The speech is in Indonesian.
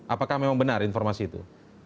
apakah memang benar informasi itu